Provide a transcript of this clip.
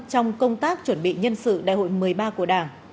trong công tác chuẩn bị nhân sự đại hội một mươi ba của đảng